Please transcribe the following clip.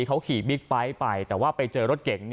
เขาขี่บิ๊กไบท์ไปแต่ว่าไปเจอรถเก๋ง